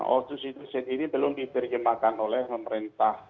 otsus itu sendiri belum diterjemahkan oleh pemerintah